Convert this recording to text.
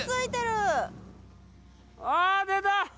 あぁ出た。